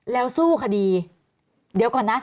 แล้วสู้คดีเดี๋ยวก่อนนะ